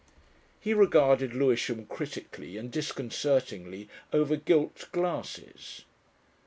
He regarded Lewisham critically and disconcertingly over gilt glasses.